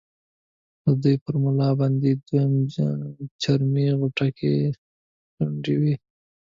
د دوی پر ملاو باندې دوې چرمي غوټکۍ ځوړندې وې.